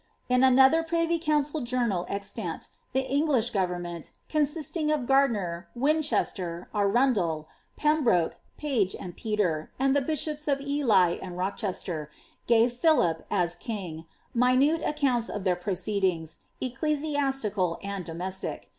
In another privy council journal extant, the Eng lish government, consisting of Gardiner, Winchester, Arundel, Pembroke, Paget^ and Petre, and the bishops of Ely and Rochester,^ gave Philip, as king, minute accounts of their proceedings, ecclesiastical and domestic.